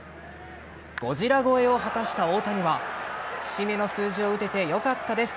ゴジラ超えを果たした大谷は節目の数字を打ててよかったです。